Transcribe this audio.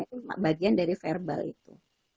itu bagian dari verbal itu